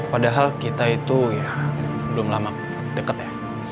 padahal kita itu ya belum lama deket ya